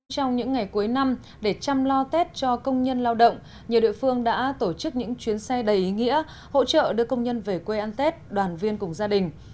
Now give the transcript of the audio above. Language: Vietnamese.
trong những ngày cuối năm để chăm lo tết cho công nhân lao động nhiều địa phương đã tổ chức những chuyến xe đầy ý nghĩa hỗ trợ đưa công nhân về quê ăn tết đoàn viên cùng gia đình